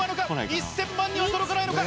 １０００万には届かないのか？